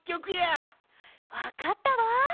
わかったわ！